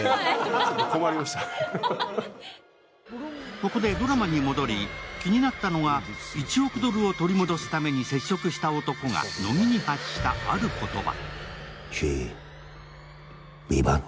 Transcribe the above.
ここでドラマに戻り、気になったのが１億ドルを取り戻すために接触した男が乃木に発した、ある言葉。